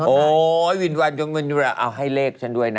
โอ๊ยวิญญาณก็เมื่อนี้แบ่งให้เลขชั้นด้วยนะ